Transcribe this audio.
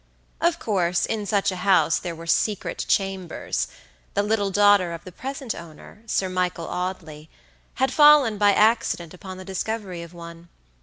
Of course, in such a house there were secret chambers; the little daughter of the present owner, Sir Michael Audley, had fallen by accident upon the discovery of one.